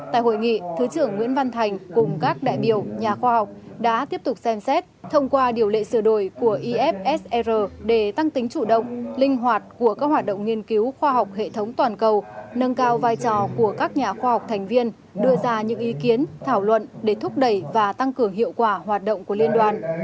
tại hội nghị thứ trưởng nguyễn văn thành cùng các đại biểu nhà khoa học đã tiếp tục xem xét thông qua điều lệ sửa đổi của ifsr để tăng tính chủ động linh hoạt của các hoạt động nghiên cứu khoa học hệ thống toàn cầu nâng cao vai trò của các nhà khoa học thành viên đưa ra những ý kiến thảo luận để thúc đẩy và tăng cường hiệu quả hoạt động của liên đoàn